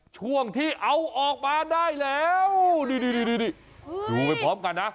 ช่วงที่เอาออกมาได้แล้วนี่ดูไปพร้อมกันนะ